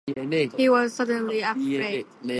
He was suddenly afraid.